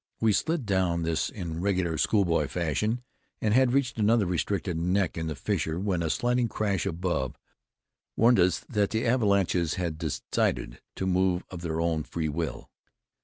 We slid down this in regular schoolboy fashion, and had reached another restricted neck in the fissure, when a sliding crash above warned us that the avalanches had decided to move of their own free will.